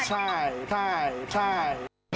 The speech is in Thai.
ใช่ใช่ใช่